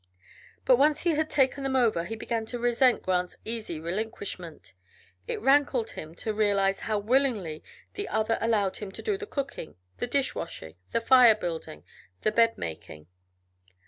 But, once he had taken them over, he began to resent Grant's easy relinquishment; it rankled him to realize how willingly the other allowed him to do the cooking, the dish washing, the fire building, the bed making.